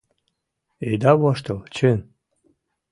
Ида воштыл — чын!